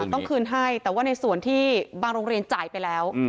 ต้องคืนให้แต่ว่าในส่วนที่บางโรงเรียนจ่ายไปแล้ว